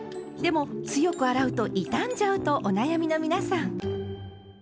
でも強く洗うと傷んじゃうとお悩みの皆さん。